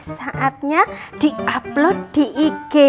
saatnya di upload di ig